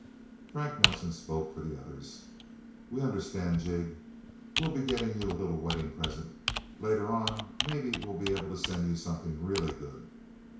Frank Nelsen spoke for the others. "We understand, Jig. We'll be getting you a little wedding present. Later on, maybe we'll be able to send you something really good.